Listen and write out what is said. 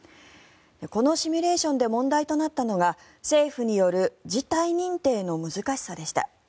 このシミュレーションで問題となったのが政府による事態認定の難しさでした。